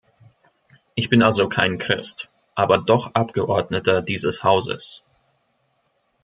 Ich bin also kein Christ, aber doch Abgeordneter dieses Hauses.